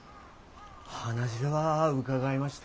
話は伺いました。